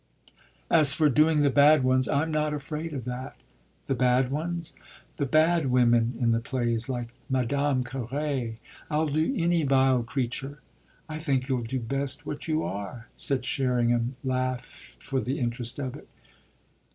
"As for doing the bad ones I'm not afraid of that." "The bad ones?" "The bad women in the plays like Madame Carré. I'll do any vile creature." "I think you'll do best what you are" and Sherringham laughed for the interest of it.